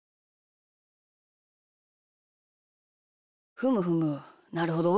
ふむふむなるほど。